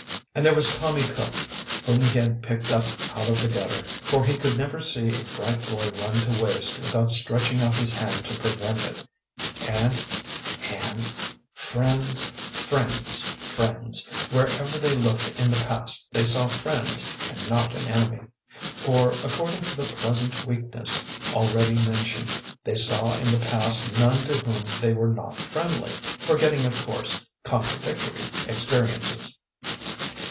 And there was Tommy Cook, whom he had picked up out of the gutter, for he could never see a bright boy run to waste without stretching out his hand to prevent it ... and ... and ... friends, friends, friends, wherever they looked in the past they saw friends and not an enemy. For according to the pleasant weakness already mentioned, they saw in the past none to whom they were not friendly ; forgetting, of course, contradictory experiences.